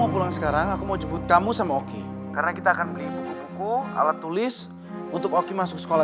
terus kita langsung jalan